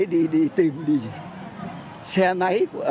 đi tìm đi xe máy